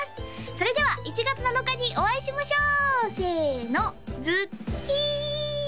それでは１月７日にお会いしましょうせのズッキーン！